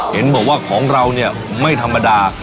เห็นบอกว่าของเราเนี่ยไม่ธรรมดา